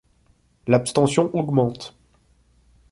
L'abstention augmente.